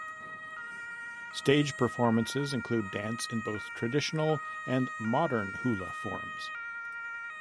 Stage performances include dance in both traditional and modern hula forms.